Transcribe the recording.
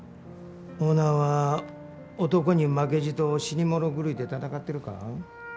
オーナーは男に負けじと死に物狂いで闘ってるか？